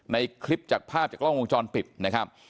ในคลิปจากภาพจากกล้องวงจรปิดนะครับ